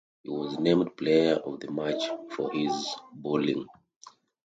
He was named player of the match for his bowling.